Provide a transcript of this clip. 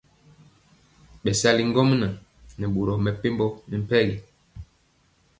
Bɛsali ŋgomnaŋ nɛ boro mepempɔ mɛmpegi.